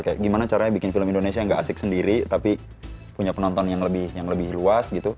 kayak gimana caranya bikin film indonesia yang gak asik sendiri tapi punya penonton yang lebih luas gitu